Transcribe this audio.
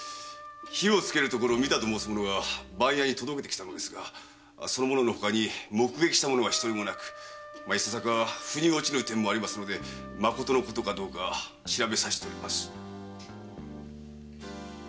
火を付けるところを見たと申す者が番屋に届けてきたのですがその者のほかに目撃した者は一人もなくいささか腑に落ちぬ点もあり真のことかどうか調べさせております。